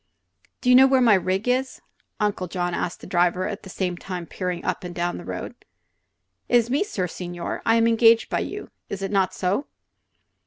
"Do you know where my rig is?" Uncle John asked the driver, at the same time peering up and down the road. "It is me, sir signore. I am engage by you. Is it not so?"